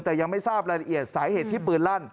แต่ยังไม่ทราบรายละเอียดสาเหตุที่ปืนลั่น